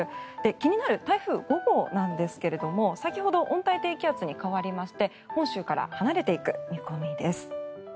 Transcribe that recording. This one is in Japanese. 気になる台風５号なんですが先ほど温帯低気圧に変わりまして本州から離れていく見込みです。